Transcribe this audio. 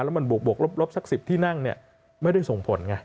แล้วมันบวกรบสัก๑๐ที่นั่งไม่ได้ส่งผล